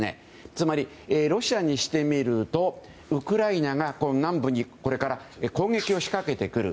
つまり、ロシアにしてみるとウクライナが南部にこれから攻撃を仕掛けてくる。